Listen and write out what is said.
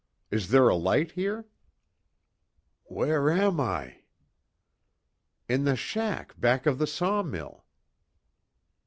Is there a light here?" "Where am I?" "In the shack back of the sawmill."